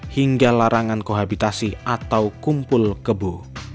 hingga larangan kohabitasi atau kumpul kebu